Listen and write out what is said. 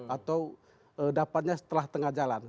atau dapatnya setelah tengah jalan